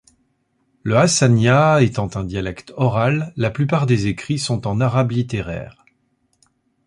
Le hassanya étant un dialecte oral, la plupart des écrits sont en arabe littéraire.